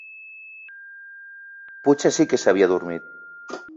Potser sí que s'havia adormit.